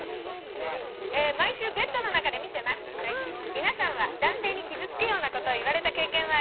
皆さんは男性に傷つくようなことを言われた経験はありますか？」